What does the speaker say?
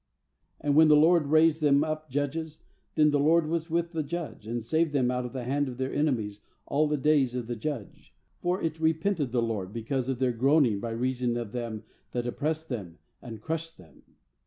18And when the LORD raised them up judges, then the LORD was with the judge, and saved them out of the hand of their enemies all the days of the judge; for it repented the LORD because of their groaning by reason of them that oppressed them and crushed them.